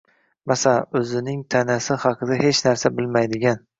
Masalan, o‘zining tanasi haqida hech narsa bilmaydigan